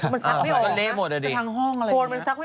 มันซะไม่ออกค่ะทั้งห้องอร่อยถ้างี้